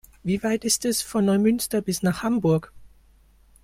Wie weit ist es von Neumünster bis nach Hamburg?